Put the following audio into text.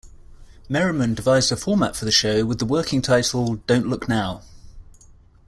Merriman devised a format for the show with the working title "Don't Look Now".